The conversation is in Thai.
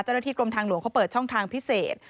เจ้าหน้าที่กรมทางหลวงเขาเปิดช่องทางพิเศษ